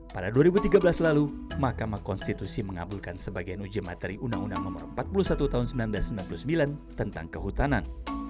pada dua ribu tiga belas lalu mahkamah konstitusi mengabulkan sebagian uji materi undang undang no empat puluh satu tahun seribu sembilan ratus sembilan puluh sembilan tentang kehutanan